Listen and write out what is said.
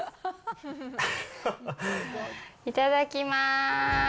いただきます。